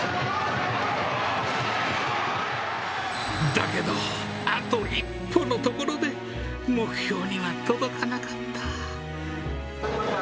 だけど、あと一歩のところで目標には届かなかった。